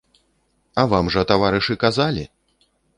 А вам жа, таварышы, казалі.